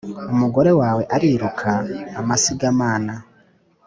umugore wawe ariruka amasiga mana